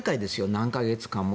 何か月間も。